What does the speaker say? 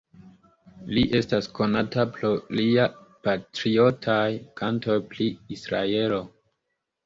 Li estas konata pro liaj patriotaj kantoj pri Israelo.